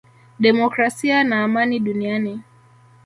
demokrasia na amani duniani